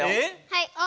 はい。